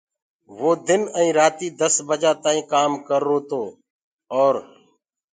وو دن ائيٚنٚ رآتيٚ دس بجآ تآئيٚنٚ ڪآم ڪررو تو اور